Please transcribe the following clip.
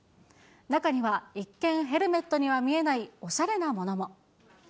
中には、一見、ヘルメットには見えないおしゃれなものも。